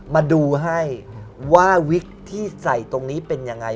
มาดูให้ว่าวิกที่ใส่ตรงนี้เป็นยังไง